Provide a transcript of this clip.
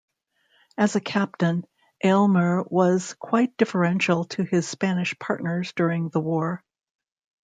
As a captain, Aylmer was quite deferential to his Spanish partners during the War.